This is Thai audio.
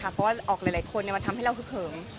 เพราะว่าออกหลายคนมาทำให้เราฮึกเหิม